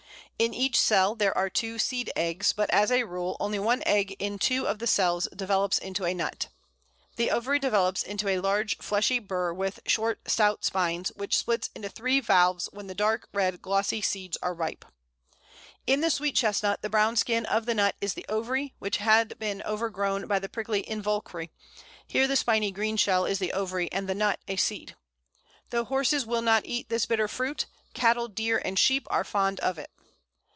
In each cell there are two seed eggs, but as a rule only one egg in two of the cells develops into a "nut." The ovary develops into a large fleshy bur, with short stout spines, which splits into three valves when the dark red glossy seeds are ripe. In the Sweet Chestnut the brown skin of the nut is the ovary, which had been overgrown by the prickly involucre; here the spiny green shell is the ovary, and the "nut" a seed. Though horses will not eat this bitter fruit, cattle, deer, and sheep are fond of it.